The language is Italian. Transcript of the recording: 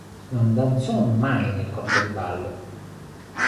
Non danzò mai nel corpo di ballo.